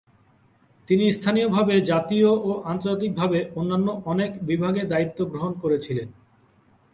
তিনি স্থানীয়ভাবে, জাতীয় ও আন্তর্জাতিকভাবে অন্যান্য অনেক বিভাগে দায়িত্ব গ্রহণ করেছিলেন।